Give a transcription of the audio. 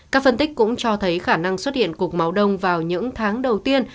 các phân tích cũng cho thấy khả năng xuất hiện cục máu đông vào những tháng đầu tiên